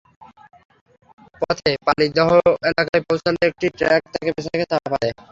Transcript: পথে পালিদহ এলাকায় পৌঁছালে একটি ট্রাক তাঁকে পেছন থেকে চাপা দেয়।